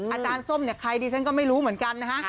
ส้มเนี่ยใครดิฉันก็ไม่รู้เหมือนกันนะฮะ